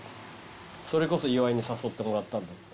それこそ岩井に誘ってもらったんだ。